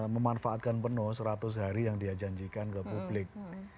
memanfaatkan penuh seratus hari yang dia janjikan ke publik